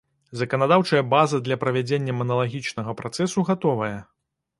Заканадаўчая база для правядзення маналагічнага працэсу гатовая.